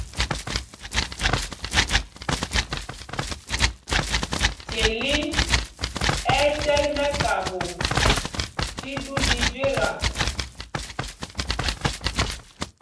Celin ɛ́ ɛ́ tɛ́l mɛ́kapo tí ɗū lɛ íjüeta.